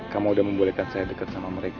kamu udah membolehkan saya dekat sama mereka